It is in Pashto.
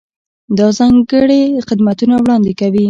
دا ځانګړي خدمتونه وړاندې کوي.